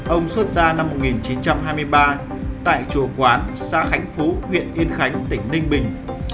ông xuất ra năm một nghìn chín trăm hai mươi ba tại chùa quán xã khánh phú huyện yên khánh tỉnh ninh bình